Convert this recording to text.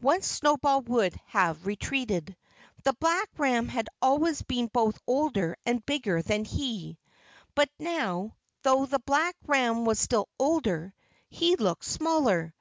Once Snowball would have retreated. The black ram had always been both older and bigger than he. But now, though the black ram was still older, he looked smaller.